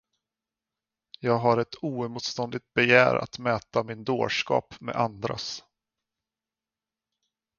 Jag har ett oemotståndligt begär att mäta min dårskap med andras.